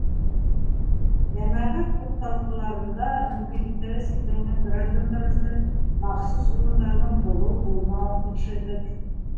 Йәмәғәт туҡталҡаларында мөмкинлектәре сикләнгән граждандар өсөн махсус урындарҙың булыу-булмауын тикшерҙек.